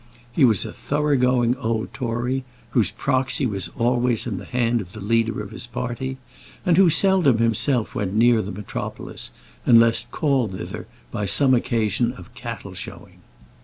He was a thorough going old Tory, whose proxy was always in the hand of the leader of his party; and who seldom himself went near the metropolis, unless called thither by some occasion of cattle showing.